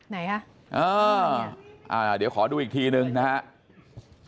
ไหนครับอยู่ตรงนี้อ่าเดี๋ยวขอดูอีกทีนึงนะครับ